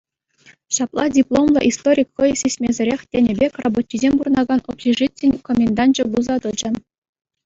Ҫапла дипломлӑ историк хӑй сисмесӗрех тенӗ пек рабочисем пурӑнакан общежитин коменданчӗ пулса тӑчӗ.